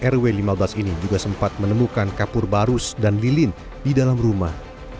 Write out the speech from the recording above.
rw lima belas ini juga sempat menemukan kapur barus dan lilin di dalam rumah